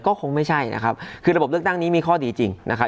ก็คงไม่ใช่นะครับคือระบบเลือกตั้งนี้มีข้อดีจริงนะครับ